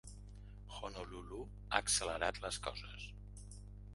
Honolulu ha accelerat les coses.